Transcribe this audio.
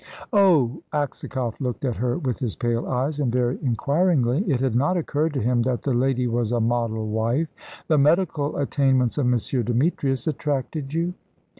"Oh!" Aksakoff looked at her with his pale eyes, and very inquiringly. It had not occurred to him that the lady was a model wife. "The medical attainments of M. Demetrius attracted you."